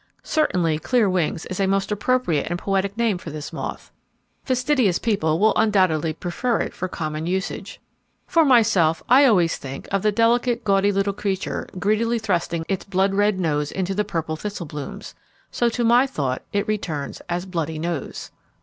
Certainly 'clear wings' is a most appropriate and poetic name for this moth. Fastidious people will undoubtedly prefer it for common usage. For myself, I always think of the delicate, gaudy little creature, greedily thrusting its blood red nose into the purple thistle blooms; so to my thought it returns as 'bloody nose.'